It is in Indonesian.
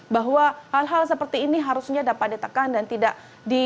bahwa hal hal seperti ini harusnya dapat ditekan dan tidak di